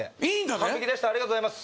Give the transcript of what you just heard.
完璧でしたありがとうございます